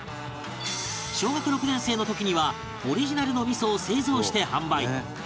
小学６年生の時にはオリジナルの味噌を製造して販売